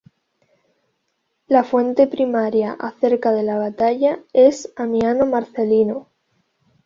La fuente primaria acerca de la batalla es Amiano Marcelino.